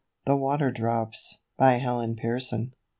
THE WATER DROPS. BY HELEN PEARSON.